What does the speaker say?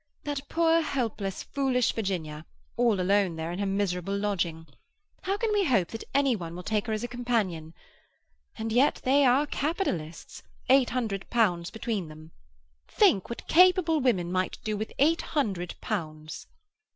That poor, helpless, foolish Virginia, alone there in her miserable lodging! How can we hope that any one will take her as a companion? And yet they are capitalists; eight hundred pounds between them. Think what capable women might do with eight hundred pounds."